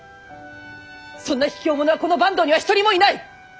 そんな卑怯者はこの坂東には一人もいない！